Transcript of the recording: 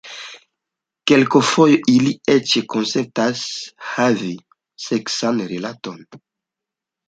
Kelkfoje ili eĉ konsentas havi seksan rilaton.